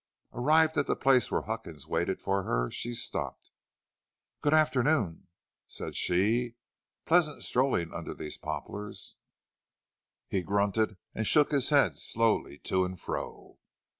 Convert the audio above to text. Arrived at the place where Huckins waited for her, she stopped. "Good afternoon," said she. "Pleasant strolling under these poplars." He grunted and shook his head slowly to and fro.